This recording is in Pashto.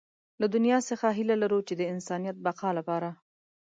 له دنيا څخه هيله لرو چې د انسانيت بقا لپاره.